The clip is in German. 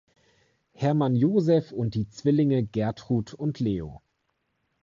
Herrmann-Josef und die Zwillinge Gertrud und Leo.